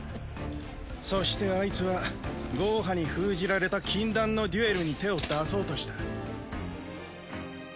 そしてアイツはゴーハに封じられた禁断のデュエルに手を出そうとした。